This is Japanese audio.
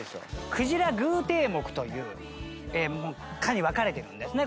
クジラ偶蹄目という科に分かれてるんですねこれね。